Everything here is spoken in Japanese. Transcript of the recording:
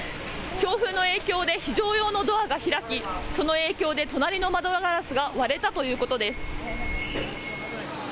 強風の影響で非常用のドアが開き、その影響で、隣の窓ガラスが割れたということです。